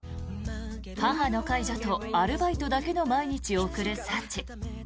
母の介助とアルバイトだけの毎日を送るサチ。